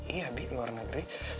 iya bi luar negeri